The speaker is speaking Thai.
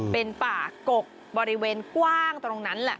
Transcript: เป็นป่ากกบริเวณกว้างตรงนั้นแหละ